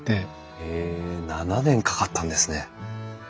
へえ７年かかったんですね。